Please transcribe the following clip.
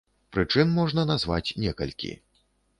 Прычын можна назваць некалькі.